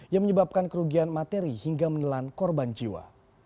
yang menyebabkan kerugian materi hingga menelan korban jiwa